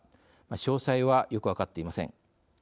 詳細はよく分かっていません。